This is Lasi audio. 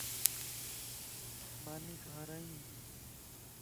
ماني کارائي